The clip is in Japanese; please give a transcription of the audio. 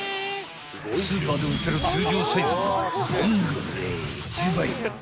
［スーパーで売ってる通常サイズのボンゴレ１０倍］